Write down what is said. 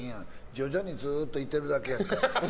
徐々にずっといてるだけやて。